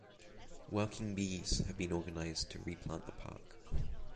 Working bees have been organised to replant the park.